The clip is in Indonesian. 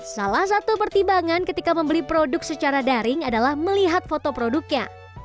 salah satu pertimbangan ketika membeli produk secara daring adalah melihat foto produknya